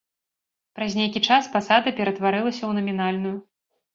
Праз нейкі час пасада ператварылася ў намінальную.